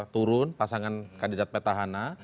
turun pasangan kandidat petahana